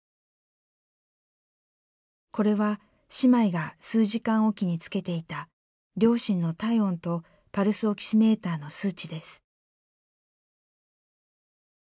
これは姉妹が数時間おきにつけていた両親の体温とパルスオキシメーターの数値です。